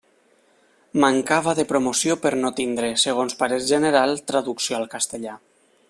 Mancava de promoció per no tindre, segons parer general, traducció al castellà.